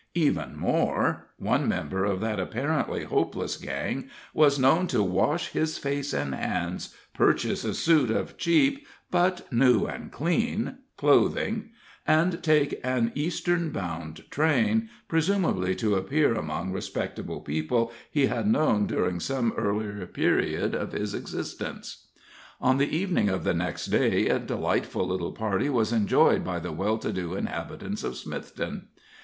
Even more: One member of that apparently hopeless gang was known to wash his face and hands, purchase a suit of cheap but new and clean clothing, and take an eastern bound train, presumably to appear among respectable people he had known during some earlier period of his existence. On the evening of the next day a delightful little party was enjoyed by the well to do inhabitants of Smithton.